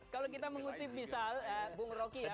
kalau kita mengutip misal bung rocky ya